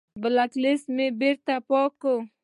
بلاک لست مې بېرته پاک کړ.